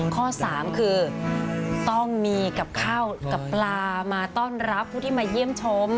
ข้อ๓คือต้องมีกับข้าวกับปลามาต้อนรับผู้ที่มาเยี่ยมชม